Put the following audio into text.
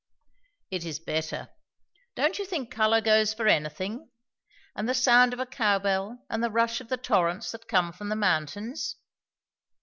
"It is better. Don't you think colour goes for anything? and the sound of a cowbell, and the rush of the torrents that come from the mountains?"